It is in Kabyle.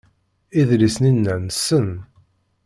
Idlisen-inna nsen.